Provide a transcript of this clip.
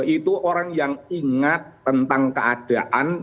itu orang yang ingat tentang keadaan